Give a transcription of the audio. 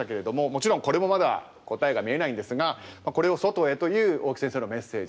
もちろんこれもまだ答えが見えないんですがこれを外へという大木先生のメッセージ。